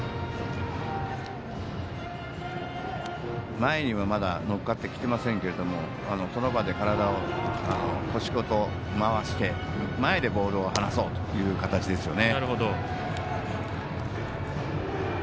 前にはまだのっかってきてませんけどその場で体を腰ごと回して前でボールを放そうという形ですよね。